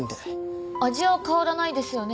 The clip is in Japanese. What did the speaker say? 味は変わらないですよね？